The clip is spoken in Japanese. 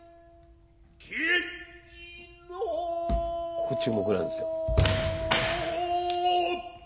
ここ注目なんですよ。